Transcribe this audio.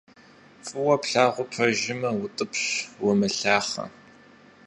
Фӏыуэ плъагъур пэжымэ - утӏыпщ, умылъахъэ.